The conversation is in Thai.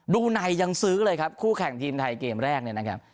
ดูไนยังซื้อเลยครับคู่แข่งทีมไทยเกมแรกเนี่ยนะครับ